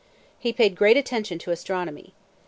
He paid great attention to astronomy.